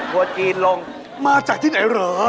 ทำไมละ